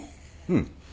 うん。